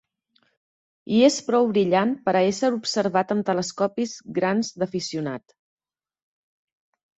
I és prou brillant per a ésser observat amb telescopis grans d'aficionat.